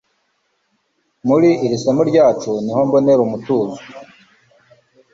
Muri iri somo ryacu niho mbonera umutuzo